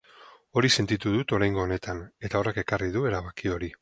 Hori sentitu dut oraingo honetan, eta horrek ekarri du erabaki hori.